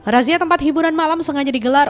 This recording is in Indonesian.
razia tempat hiburan malam sengaja digelar